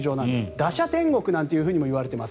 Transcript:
打者天国なんて言われています。